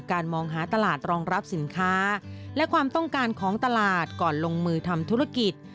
มองหาตลาดรองรับสินค้าและความต้องการของตลาดก่อนลงมือทำธุรกิจ